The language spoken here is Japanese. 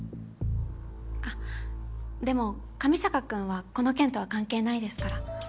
あっでも上坂君はこの件とは関係ないですから。